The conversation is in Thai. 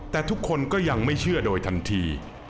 แต่ทุกคนก็ยังไม่เชื่อโดยทันที